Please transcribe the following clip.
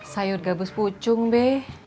sayur gabus pucung be